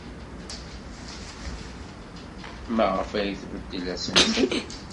Maɣef ay tbeddel asentel?